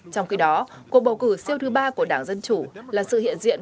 trong khi đó cuộc bầu cử siêu thứ ba của đảng dân chủ là sự hiện diện